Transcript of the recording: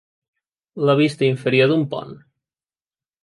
La vista inferior d'un pont.